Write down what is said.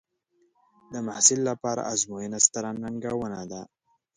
د محصل لپاره ازموینه ستره ننګونه ده.